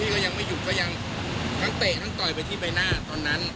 ก็ยังไม่หยุดก็ยังทั้งเตะทั้งต่อยไปที่ใบหน้าตอนนั้น